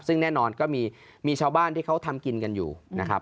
ซึ่งแน่นอนก็มีชาวบ้านที่เขาทำกินกันอยู่นะครับ